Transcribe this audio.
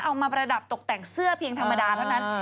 ประดับตกแต่งเสื้อเพียงธรรมดาเท่านั้น